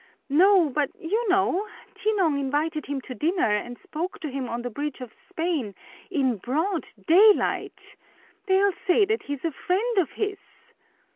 "No, but you know, Tinong invited him to dinner and spoke to him on the Bridge of Spain in broad daylight! They'll say that he's a friend of his!"